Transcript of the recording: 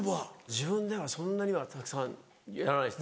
自分ではそんなにはたくさんやらないです。